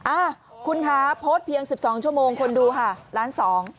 อ่าคุณคะโพสต์เพียง๑๒ชั่วโมงคนดูค่ะล้านสอง